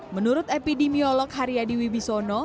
menurut epidemiolog haryadi wibisono